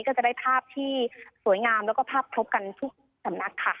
ก็จะได้ภาพที่สวยงามแล้วก็ภาพครบกันทุกสำนักค่ะ